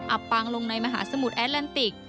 อปางลงในมหาสมุทรแอลติก